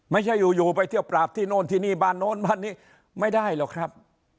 ไม่ใช่อยู่ไปเทียบปราบนี่นานาน์ไม่ได้หรอกครับ